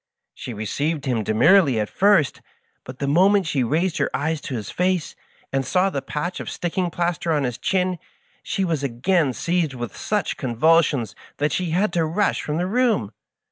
She received him demurely at first, but the moment she raised her eyes to his face, and saw the patch of sticking plaster on his chin, she was again seized with such convulsions that she had to rush from the room.